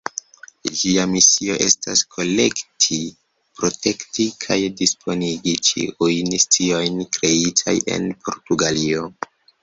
Ĝia misio estas kolekti, protekti kaj disponigi ĉiujn sciojn kreitaj en Portugalio.